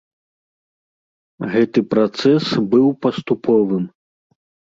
Гэты працэс быў паступовым.